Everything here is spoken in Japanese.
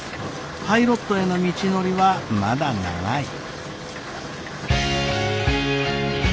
パイロットへの道のりはまだ長い。